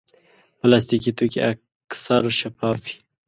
پلاستيکي توکي اکثر شفاف وي.